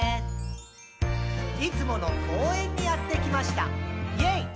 「いつもの公園にやってきました！イェイ！」